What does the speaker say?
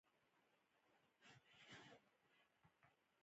د ګاونډي دروازه باید ونه ځوروو